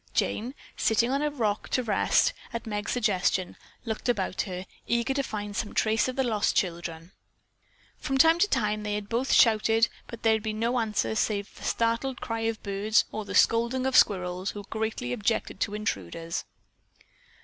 Jane, sitting on a rock to rest, at Meg's suggestion, looked about her, eager to find some trace of the lost children. From time to time they had both shouted, but there had been no answer save the startled cry of birds, or the scolding of squirrels, who greatly objected to intruders.